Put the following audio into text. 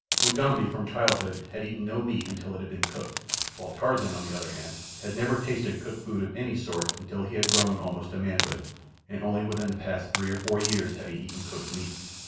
Mugambi from childhood had eaten no meat until it had been cooked, while Tarzan, on the other hand, had never tasted cooked food of any sort until he had grown almost to manhood, and only within the past three or four years had he eaten cooked meat.